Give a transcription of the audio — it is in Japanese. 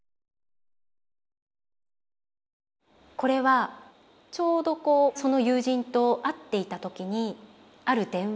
これはちょうどこうその友人と会っていた時にある電話があって。